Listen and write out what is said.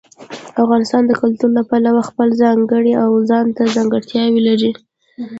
افغانستان د کلتور له پلوه خپله ځانګړې او ځانته ځانګړتیاوې لري.